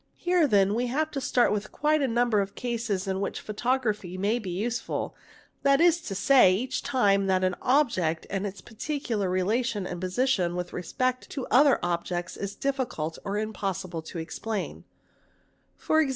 Here then we have to start with quite a number of cases in which photography may be useful, that is to say, each time that an object and its particular relation and position with respect to other objects is difticult or impossible to explain; e.g.